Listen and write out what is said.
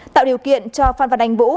tạo điều kiện cho phan văn anh vũ